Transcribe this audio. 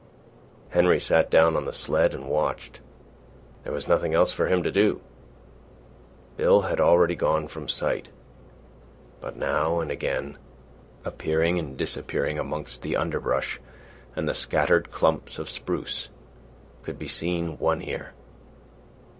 Henry sat down on the sled and watched. There was nothing else for him to do. Bill had already gone from sight; but now and again, appearing and disappearing amongst the underbrush and the scattered clumps of spruce, could be seen One Ear.